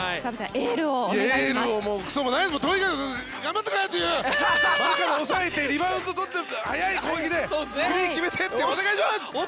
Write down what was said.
エールも特にないとにかく頑張ってくれ！というマルカネン抑えてリバウンド取って速い攻撃で守備を決めてお願いします！